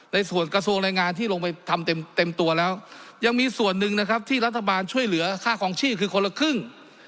ในส่วนกระทรวงแรงงานที่ลงไปทำเต็มตัวแล้วยังมีส่วนหนึ่งนะครับที่รัฐบาลช่วยเหลือค่าคลองชีพคือคนละครึ่ง